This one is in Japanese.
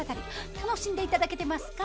楽しんで頂けてますか？